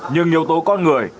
nhưng nhiều tố con người